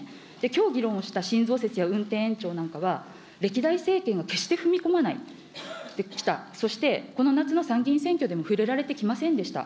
きょう議論をした新増設や運転延長なんかは、歴代政権が決して踏み込まないできた、そしてこの夏の参議院選挙でも触れられてきませんでした。